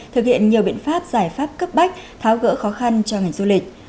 thực hiện nhiều biện pháp giải pháp cấp bách tháo gỡ khó khăn cho ngành du lịch